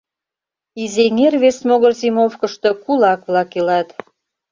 Изеҥер вес могыр зимовкышто кулак-влак илат.